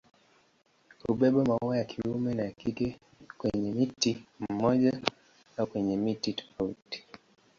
Hubeba maua ya kiume na ya kike kwenye mti mmoja au kwenye miti tofauti.